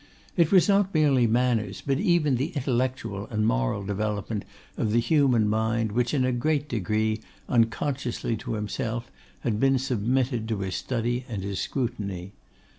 It was not merely manners, but even the intellectual and moral development of the human mind, which in a great degree, unconsciously to himself, had been submitted to his study and his scrutiny.